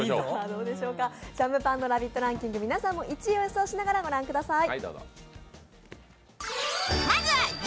ジャムパンのラビットランキング、皆さんも１位を予想しながらご覧ください。